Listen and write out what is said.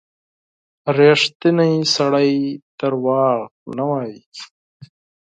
• ریښتینی سړی دروغ نه وايي.